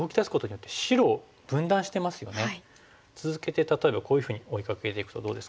続けて例えばこういうふうに追いかけていくとどうですか？